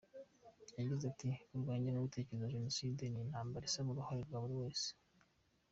Yagize ati “Kurwanya ingengabitekerezo ya Jenoside, ni intambara isaba uruhare rwa buri wese.